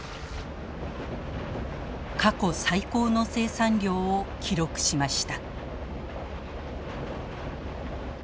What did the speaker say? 過去最高の生産量を記録しました。